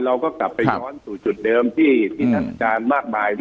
เราก็กลับไปย้อนสู่จุดเดิมที่ท่านอาจารย์มากมาย